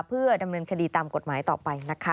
เพื่อดำเนินคดีตามกฎหมายต่อไปนะคะ